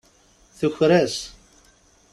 Tuker-as.